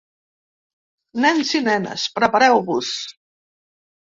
Nens i nenes, prepareu-vos.